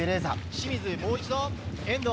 清水、もう一度遠藤。